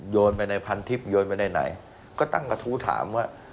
โยนไปในพันทิพยนไปในไหนก็ต่างกระทู้ถามว่า